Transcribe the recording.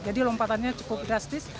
jadi lompatannya cukup drastis